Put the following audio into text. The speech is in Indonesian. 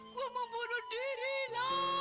gua mau bunuh diri lah